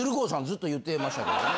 ずっと言ってましたけどね。